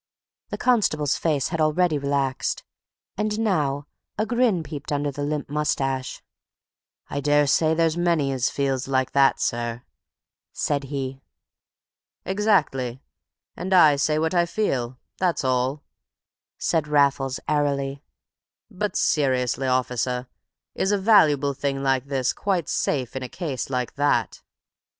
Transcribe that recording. The constable's face had already relaxed, and now a grin peeped under the limp moustache. "I daresay there's many as feels like that, sir," said he. "Exactly; and I say what I feel, that's all," said Raffles airily. "But seriously, officer, is a valuable thing like this quite safe in a case like that?"